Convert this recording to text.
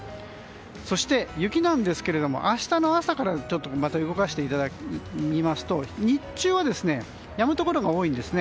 そして雪なんですが明日の朝からまた動かしていきますと日中はやむところが多いんですね。